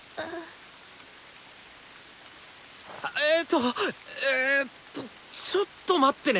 えとえっとちょっと待ってね！